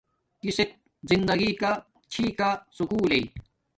کسک زندگی کا چھی کا سکُولݵ